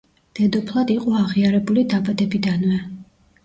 დედოფლად იყო აღიარებული დაბადებიდანვე.